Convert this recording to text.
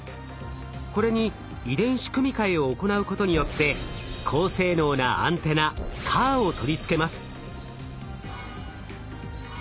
これに遺伝子組み換えを行うことによって高性能なアンテナＣＡＲを取り付けます。